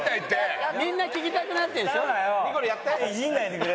みんな聴きたくなってるんでしょ？